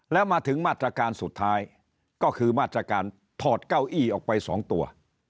แล้วมาถึงมาตรการสุดท้ายก็คือมาตรการถอดเก้าอี้ออกไป๒ตัว